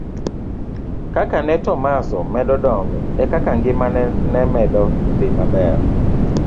Kaka ne Tomaso medo dongo ekaka ngima ne medo dhi maber.